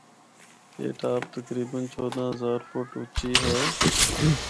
A top تقریبا چودہ ہزار فٹ اُچی ہے۔